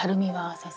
先生。